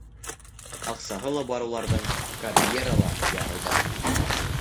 Аҡсаһы ла бар уларҙың, карьера ла яһайҙар.